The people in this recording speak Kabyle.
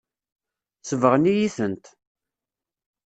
Sebɣen-iyi-tent.